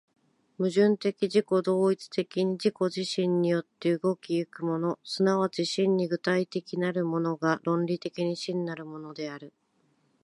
矛盾的自己同一的に自己自身によって動き行くもの、即ち真に具体的なるものが、論理的に真なるものである。